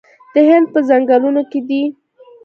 د هند په ځنګلونو کې دي